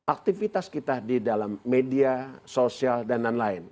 aktivitas kita di dalam media sosial dan lain lain